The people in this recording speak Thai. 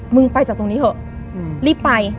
มึงไปจากตรงนี้เถอะรีบไป